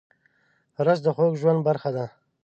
رس د خوږ ژوند برخه ده